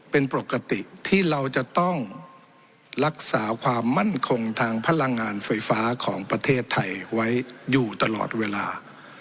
เป็นปกติที่เราจะต้องรักษาความมั่นคงทางพลังงานไฟฟ้าของประเทศไทยไว้อยู่ตลอดเวลา